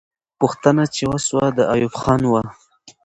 پوښتنه چې وسوه، د ایوب خان وه.